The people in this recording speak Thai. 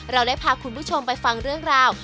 เราได้พาคุณผู้ชมไปฟังเรื่องราว